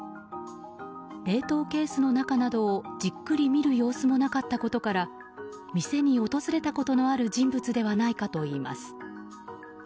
冷凍ケースの中などをじっくり見る様子もなかったことから店に訪れたことのある人物ではないかといいます。